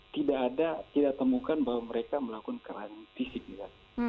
tidak ada tidak temukan bahwa mereka melakukan karantina